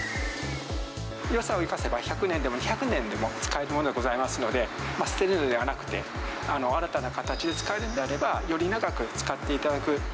よさを生かせば１００年でも２００年でも使えるものがございますので、捨てるのではなくて、新たな形で使えるんであれば、より長く使っていただく。